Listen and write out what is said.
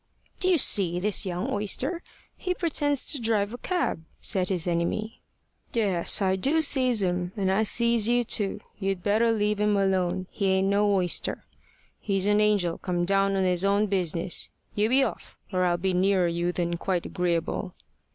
"Do you see this young oyster? He pretends to drive a cab," said his enemy. "Yes, I do see him. And I sees you too. You'd better leave him alone. He ain't no oyster. He's a angel come down on his own business. You be off, or I'll be nearer you than quite agreeable."